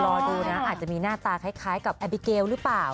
รอดูนะอาจจะมีหน้าตาคล้ายกับแอบิเกลหรือเปล่า